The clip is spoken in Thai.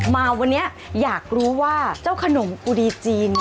มาวันนี้อยากรู้ว่าเจ้าขนมกุดีจีน